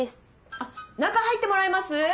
あっ中入ってもらえます？